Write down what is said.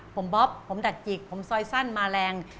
ผมบ๊อบผมดักจิกผมซอยสั้นมาแรง